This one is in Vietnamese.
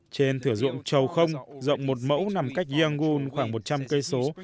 trên thử dụng trầu không rộng một mẫu nằm cách yangon khoảng một trăm linh cây số